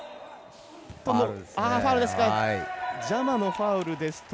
ファウルですね。